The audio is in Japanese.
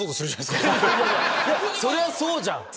そりゃそうじゃん！